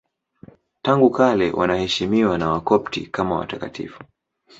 Tangu kale wanaheshimiwa na Wakopti kama watakatifu.